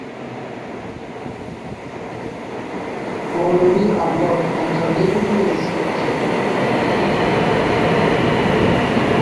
মৌলভী আহমদ একজন deputy magistrate ছিলেন।